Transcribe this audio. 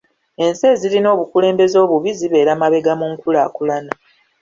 Ensi ezirina obukulembeze obubi zibeera mabega mu nkulaakulana.